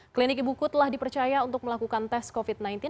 klinik ibuku telah dipercaya untuk melakukan tes covid sembilan belas